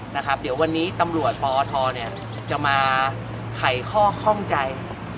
เดี๋ยววันนี้ตำรวจบกบอทจะมาไขข้อข้องใจ